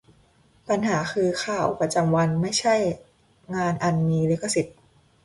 'ปัญหา' คือ ข่าวประจำวัน ไม่ใช่งานอันมีลิขสิทธิ์